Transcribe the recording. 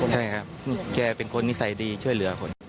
ใช่ครับแกเป็นคนนิสัยดีช่วยเหลือคน